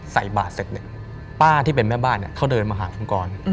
ใส่บาทเสร็จเนี่ยป้าที่เป็นแม่บ้านเขาเดินมาหาคุณกร